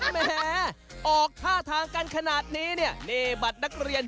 แหมออกท่าทางกันขนาดนี้เนี่ยนี่บัตรนักเรียน